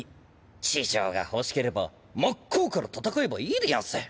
地上が欲しければ真っ向から戦えばいいでやんす。